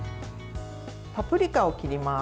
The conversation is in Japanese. パプリカを切ります。